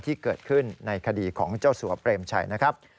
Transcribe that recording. ที่เกิดขึ้นในคดีของเจ้าสัวเปรมชัยนะครับ